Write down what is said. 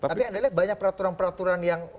tapi anda lihat banyak peraturan peraturan yang